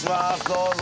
どうぞ。